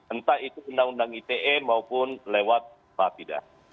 entah itu undang undang ite maupun lewat tidak